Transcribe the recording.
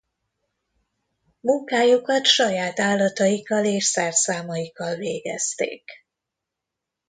Munkájukat saját állataikkal és szerszámaikkal végezték.